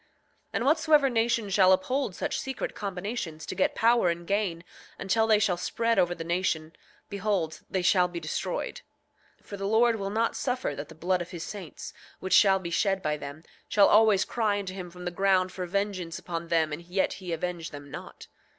8:22 And whatsoever nation shall uphold such secret combinations, to get power and gain, until they shall spread over the nation, behold, they shall be destroyed; for the Lord will not suffer that the blood of his saints, which shall be shed by them, shall always cry unto him from the ground for vengeance upon them and yet he avenge them not.